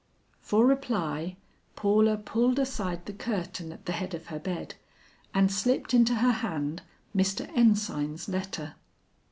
For reply Paula pulled aside the curtain at the head of her bed, and slipped into her hand Mr. Ensign's letter.